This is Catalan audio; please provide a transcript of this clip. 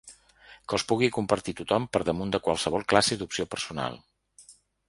Que els pugui compartir tothom per damunt de qualsevol classe d’opció personal.